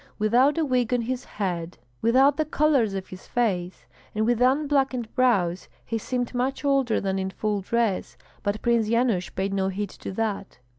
Without a wig on his head, without the colors on his face, and with unblackened brows, he seemed much older than in full dress; but Prince Yanush paid no heed to that.